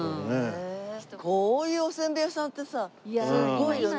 こういうお煎餅屋さんってさすごいよね。